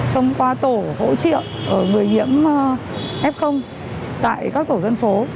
thông qua tổ hỗ trợ người nhiễm f tại các tổ dân phố